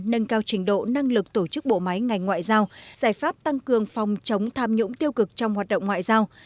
nâng cao trình độ năng lực tổ chức bộ máy ngành ngoại giao giải pháp tăng cường phòng chống tham nhũng tiêu cực trong hoạt động ngoại giao